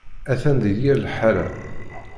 Atan di yir liḥala.